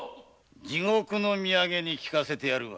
地獄の土産に聞かせてやるわ。